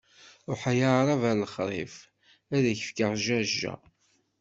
Ṛuḥ ay aɛṛab ar lexṛif, ad k-fkeɣ jajja!